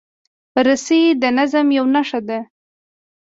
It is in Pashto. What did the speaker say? رسۍ د نظم یوه نښه ده.